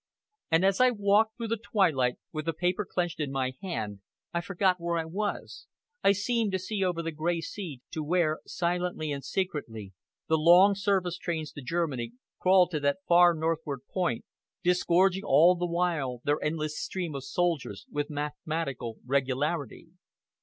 And as I walked through the twilight with the paper clenched in my hand, I forgot where I was, I seemed to see over the grey sea to where, silently and secretly, the long service trains to Germany crawled to that far northward point, disgorging all the while their endless stream of soldiers, with mathematical regularity.